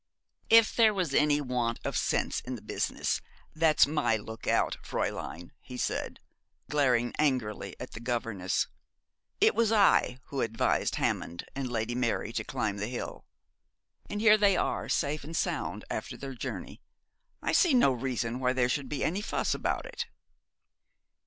'If there was any want of sense in the business, that's my look out, Fräulein,' he said, glaring angrily at the governess. 'It was I who advised Hammond and Lady Mary to climb the hill. And here they are, safe and sound after their journey. I see no reason why there should be any fuss about it.'